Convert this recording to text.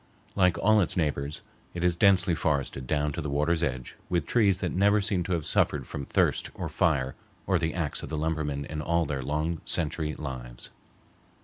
Like all its neighbors, it is densely forested down to the water's edge with trees that never seem to have suffered from thirst or fire or the axe of the lumberman in all their long century lives.